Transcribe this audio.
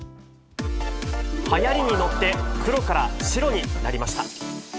はやりに乗って、黒から白になりました。